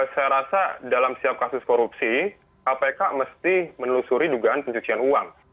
saya rasa dalam setiap kasus korupsi kpk mesti menelusuri dugaan pencucian uang